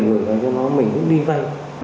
người ta cho nó mình cũng đi vay